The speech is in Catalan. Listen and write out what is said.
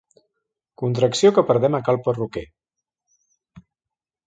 Contracció que perdem a cal perruquer.